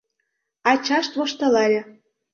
Ачашт воштылале: